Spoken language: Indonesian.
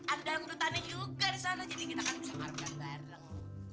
ada dalam lutannya juga di sana jadi kita kan bisa ngarepkan bareng